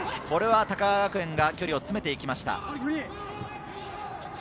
これは高川学園が距離を詰めていきました。